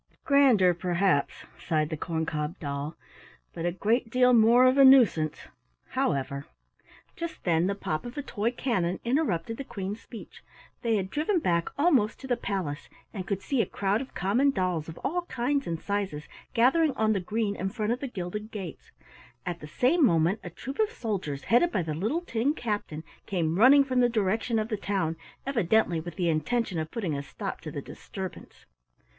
"Grander, perhaps," sighed the corn cob doll, "but a great deal more of a nuisance. However " Just then the pop of a toy cannon interrupted the Queen's speech. They had driven back almost to the palace, and could see a crowd of common dolls of all kinds and sizes gathering on the green in front of the gilded gates. At the same moment a troop of soldiers, headed by the little tin captain, came running from the direction of the town evidently with the intention of putting a stop to the disturbance.